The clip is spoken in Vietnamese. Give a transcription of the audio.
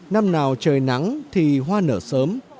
năm nào trời nắng thì hoa nở sớm